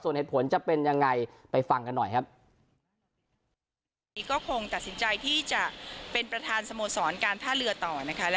ส่วนเหตุผลจะเป็นยังไงไปฟังกันหน่อยครับ